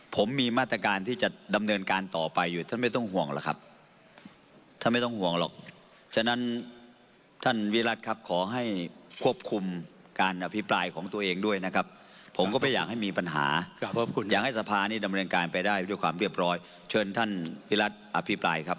ผมมีมาตรการที่จะดำเนินการต่อไปอยู่เท่าที่